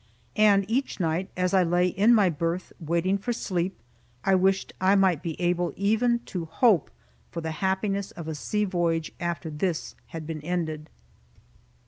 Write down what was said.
And each night, as I lay in my berth, waiting for sleep, I wished I might be able even to hope for the happiness of a sea voyage after this had been ended.